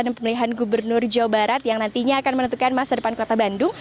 dan pemilihan gubernur jawa barat yang nantinya akan menentukan masa depan kota bandung